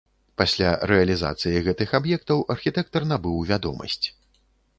Пасля рэалізацыі гэтых аб'ектаў архітэктар набыў вядомасць.